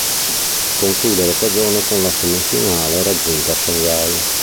Conclude la stagione con la semifinale raggiunta a Shanghai.